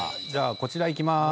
こちらいきまーす。